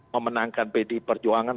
memenangkan pd perjuangan